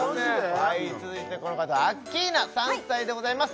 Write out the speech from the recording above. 続いてこの方アッキーナ３歳でございます